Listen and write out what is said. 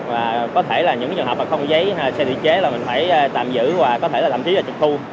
và có thể là những trường hợp không giấy xe tự chế là mình phải tạm giữ và có thể là tạm chí là trục thu